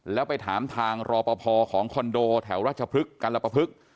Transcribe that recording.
แล้วไปถามทางรอปภของคอนโดแถวราชพฤกษัลปภึก